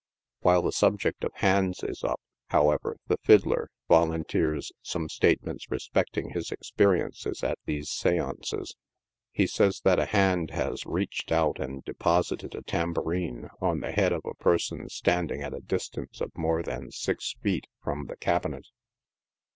While the subject of hands is up, however, the fid dler volunteers some statements respecting his experiences at these i: seances." Hs says that a hand has reached out and deposited a tambourine on the head of a person standing at a distance of more than six feet from the cabinet.